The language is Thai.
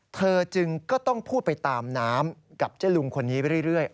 เธอจึงก็ต้องพูดไปตามน้ำกับเจ๊ลุงคนนี้ไปเรื่อย